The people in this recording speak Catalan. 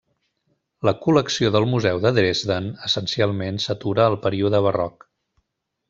La col·lecció del museu de Dresden essencialment s'atura al període barroc.